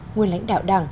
nguồn lãnh đạo đảng